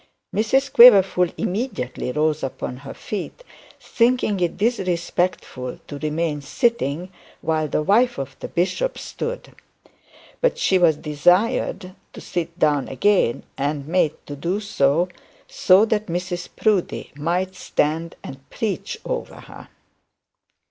Mrs Quiverful immediately rose upon her feet, thinking it disrespectful to remain sitting while the wife of the bishop stood. But she was desired to sit down again, and made to do so, so that Mrs Proudie might stand and preach over her.